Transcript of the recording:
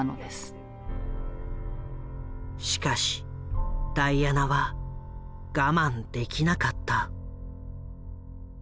しかしダイアナは我慢できなかった。